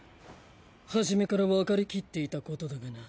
初めからわかりきっていたことだがな。